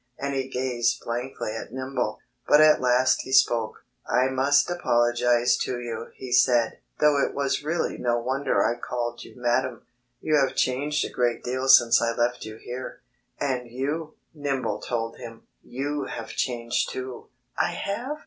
And he gazed blankly at Nimble. But at last he spoke. "I must apologize to you," he said, "though it was really no wonder I called you 'madam.' You have changed a great deal since I left you here." "And you " Nimble told him "you have changed too." "I have?"